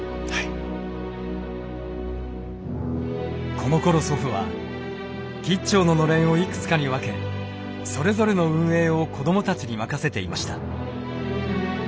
このころ祖父は兆ののれんをいくつかに分けそれぞれの運営を子どもたちに任せていました。